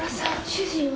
主人は？